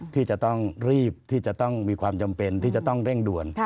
ที่จะต้องรีบที่จะต้องมีความจำเป็นที่จะต้องเร่งด่วน